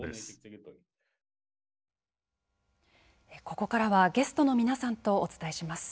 ここからはゲストの皆さんとお伝えします。